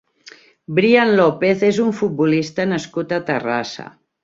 Brian López és un futbolista nascut a Terrassa.